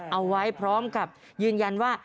เอาไว้พร้อมกับยืนยันว่า